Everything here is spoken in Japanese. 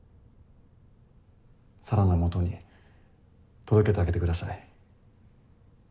沙良の元に届けてあげてください。